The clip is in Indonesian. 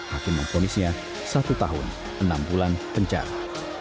hakim mempunyai satu tahun enam bulan pengejaran